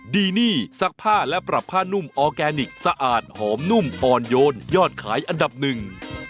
ดีนี่ซักผ้าและปรับผ้านุ่มออร์แกนิคสะอาดหอมนุ่มอ่อนโยนยอดขายอันดับหนึ่ง